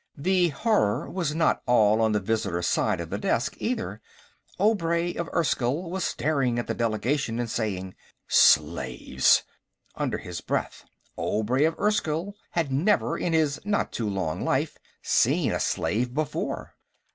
The horror was not all on the visitors' side of the desk, either. Obray of Erskyll was staring at the delegation and saying, "Slaves!" under his breath. Obray of Erskyll had never, in his not too long life, seen a slave before.